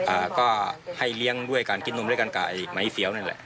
อ่าก็ให้เลี้ยงด้วยการกินนมด้วยกันกับไอ้ไม้เฟี้ยวนั่นแหละ